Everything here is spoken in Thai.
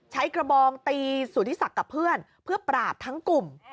ใช้กระบองตีสุธิศักดิ์กับเพื่อนเพื่อปราบทั้งกลุ่ม